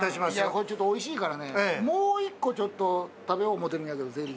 これおいしいからねもう１個ちょっと食べよう思うてるんやけどゼリー。